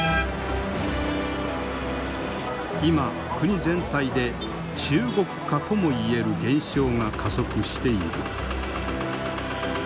今国全体で中国化ともいえる現象が加速している。